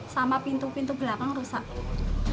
sama pintu pintu belakang rusak